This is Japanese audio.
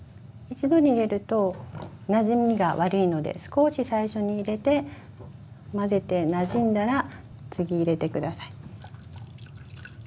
一度に入れるとなじみが悪いので少し最初に入れて混ぜてなじんだら次入れて下さい。